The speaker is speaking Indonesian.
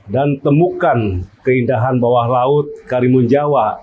dan temukan keindahan bawah laut karimun jawa